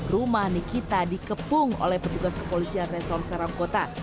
rumah nikita dikepung oleh petugas kepolisian restoran sarangkota